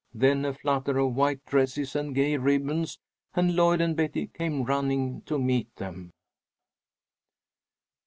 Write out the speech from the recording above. Then a flutter of white dresses and gay ribbons, and Lloyd and Betty came running to meet them.